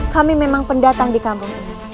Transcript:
kami memang pendatang di kampung